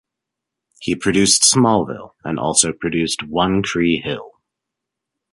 He produced "Smallville" and also produced "One Tree Hill".